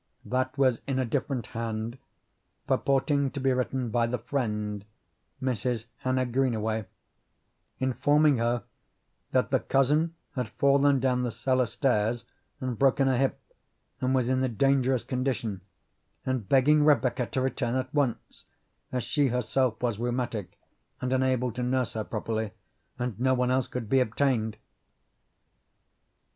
That was in a different hand, purporting to be written by the friend, Mrs. Hannah Greenaway, informing her that the cousin had fallen down the cellar stairs and broken her hip, and was in a dangerous condition, and begging Rebecca to return at once, as she herself was rheumatic and unable to nurse her properly, and no one else could be obtained.